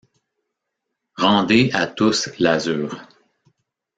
Rendez à tous l’azur.